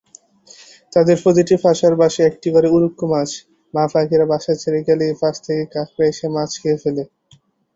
তাদের প্রতিটি বাসার পাশে একটি করে উড়ুক্কু মাছ, মা পাখিরা বাসা ছেড়ে গেলেই পাশ থেকে কাঁকড়া এসে মাছ খেয়ে ফেলে।